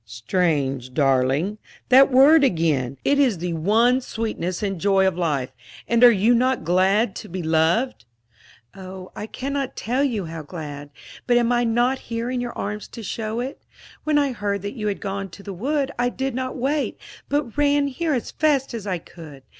"Strange, darling that word again! It is the one sweetness and joy of life. And are you not glad to be loved?" "Oh, I cannot tell you how glad; but am I not here in your arms to show it? When I heard that you had gone to the wood I did not wait, but ran here as fast as I could.